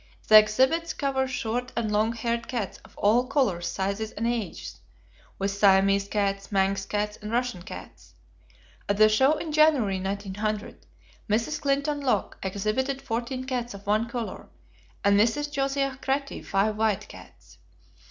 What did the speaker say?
The exhibits cover short and long haired cats of all colors, sizes, and ages, with Siamese cats, Manx cats, and Russian cats. At the show in January, 1900, Mrs. Clinton Locke exhibited fourteen cats of one color, and Mrs. Josiah Cratty five white cats.